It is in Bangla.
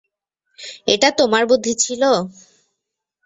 এটা তোমার বুদ্ধি ছিল।